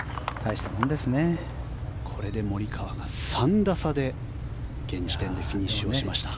これでモリカワが３打差で現時点でフィニッシュをしました。